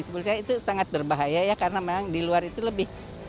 sebenarnya itu sangat berbahaya ya karena memang di luar itu lebih